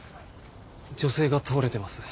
女性が倒れてます。